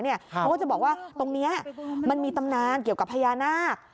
เขาก็จะบอกว่าตรงนี้มันมีตำนานเกี่ยวกับพญานาค